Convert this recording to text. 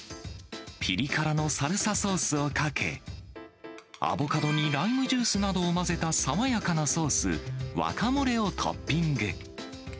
ピリ辛のサルサソースをかけ、アボカドにライムジュースなどを混ぜた爽やかなソース、ワカモレをトッピング。